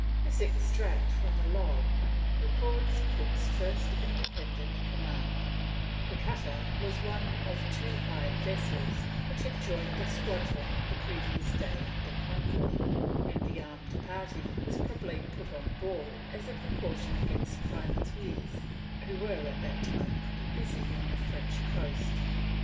This extract from the log records Cook's first independent command; the cutter was one of two hired vessels which had joined the squadron the previous day under convoy, and the armed party was probably put on board as a precaution against privateers who were at that time pretty busy on the French coast.